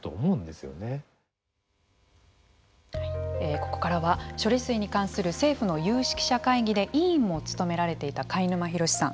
ここからは処理水に関する政府の有識者会議で委員も務められていた開沼博さん。